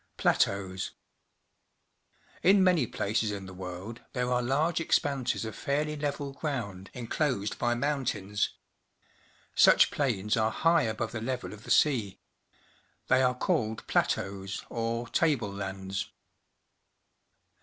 Plateaus. — In many places in the world there are large expanses of fairly level ground inclosed bj' mountains. Such plains are high above the level of the sea. They are called plateaus, or table lands.